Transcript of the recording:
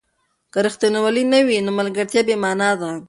که ریښتینولي نه وي، نو ملګرتیا بې مانا ده.